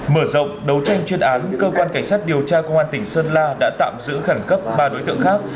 mở rộng đấu tranh chuyên án cơ quan cảnh sát điều tra công an tỉnh sơn la đã tạm giữ khẩn cấp ba đối tượng khác